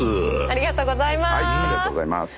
ありがとうございます。